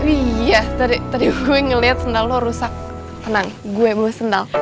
iya tadi gue ngeliat sendal lo rusak tenang gue mau sendal